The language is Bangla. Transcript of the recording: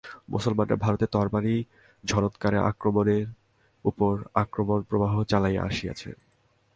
মুসলমানরা ভারতে তরবারি-ঝনৎকারে আক্রমণের উপর আক্রমণ-প্রবাহ চালাইয়া আসিয়াছে।